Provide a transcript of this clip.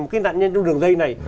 một cái nặng nhân trong đường dây này